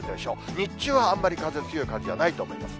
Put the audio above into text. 日中はあんまり風、強い風じゃないと思います。